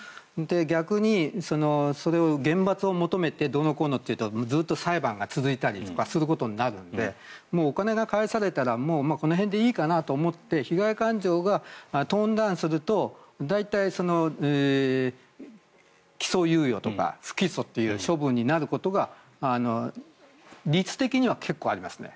逆にそれを厳罰を求めてどうのこうのというとずっと裁判が続いたりすることになるのでもうお金が返されたらこの辺でいいかなと思って被害感情がトーンダウンすると大体、起訴猶予とか不起訴という処分になることが率的には結構ありますね。